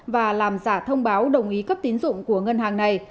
và làm giả thông báo đồng ý cấp tín dụng của ngân hàng này